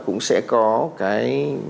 cũng sẽ có cái